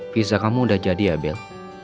visa kamu udah jadi ya bel